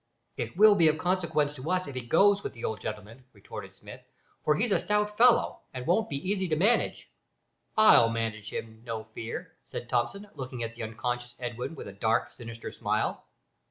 "It will be of consequence to us if he goes with the old gentleman," retorted Smith, "for he's a stout fellow, and wouldn't be easy to manage." "I'll manage him, no fear," said Thomson, looking at the unconscious Edwin with a dark sinister smile.